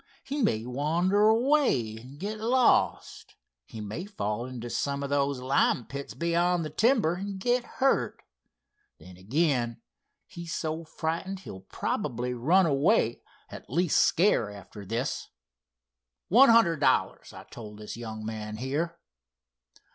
He may wander away and get lost; he may fall into some of those lime pits beyond the timber and get hurt. Then again, he's so frightened he'll probably run away at the least scare after this. One hundred dollars, I told this young man here."